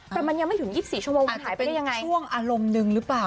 แต่มันยังไม่ถึง๒๔ชั่วโมงมันหายไปได้ยังไงช่วงอารมณ์หนึ่งหรือเปล่า